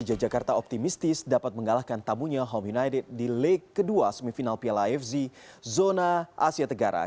jakarta optimistis dapat mengalahkan tamunya home united di leg kedua semifinal piala fz zona asia tenggara